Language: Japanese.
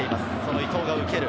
伊東が受ける。